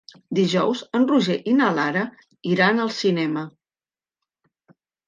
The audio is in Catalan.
Dijous en Roger i na Lara iran al cinema.